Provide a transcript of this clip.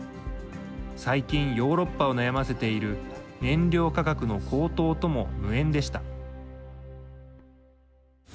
最近ヨーロッパを悩ませている燃料価格の高騰とも無縁でした。